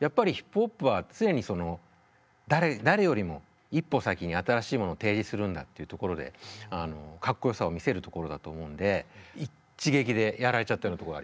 やっぱりヒップホップは常に誰よりも一歩先に新しいものを提示するんだっていうところでかっこよさを見せるところだと思うんで一撃でやられちゃったようなところがあります。